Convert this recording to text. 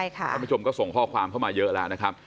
ท่านผู้ชมก็ส่งข้อความเข้ามาเยอะแล้วนะครับ